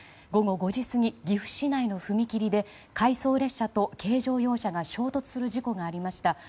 午後５時過ぎ、岐阜市内の踏切で回送列車と軽乗用車が衝突する事故がありました。